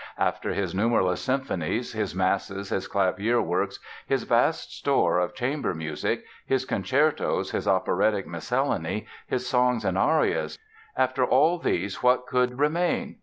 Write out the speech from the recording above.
After his numberless symphonies, his masses, his clavier works, his vast store of chamber music, his concertos, his operatic miscellany, his songs and arias—after all these what could remain?